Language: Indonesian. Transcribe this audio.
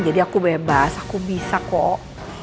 jadi aku bebas aku bisa kok